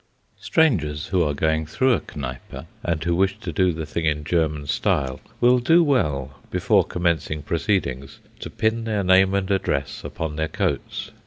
Strangers who are going through a Kneipe, and who wish to do the thing in German style, will do well, before commencing proceedings, to pin their name and address upon their coats.